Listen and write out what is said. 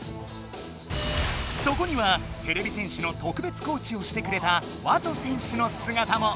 そこにはてれび戦士のとくべつコーチをしてくれたＷＡＴＯ選手のすがたも！